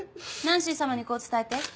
ナンシーさまにこう伝えて。